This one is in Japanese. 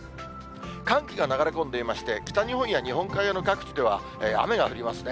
寒気が流れ込んでいまして、北日本や日本海側の各地では、雨が降りますね。